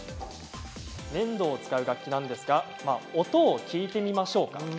粘土を使う楽器なんですが音を聴いてみましょうか。